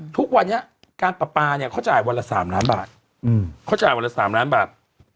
ทุกวันนี้การปรับปรากฏเนี่ยเขาจ่ายวันละ๓ล้านบาท